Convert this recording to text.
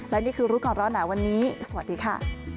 และนี่คือรู้ก่อนร้อนหนาวันนี้สวัสดีค่ะ